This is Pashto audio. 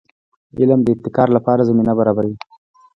علم د ابتکار لپاره زمینه برابروي.